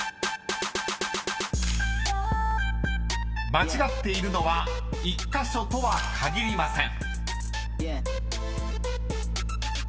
［間違っているのは１カ所とは限りません］